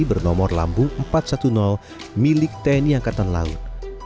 bernomor lambung empat ratus sepuluh milik tni angkatan laut